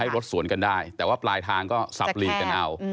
รถสวนกันได้แต่ว่าปลายทางก็สับหลีกกันเอา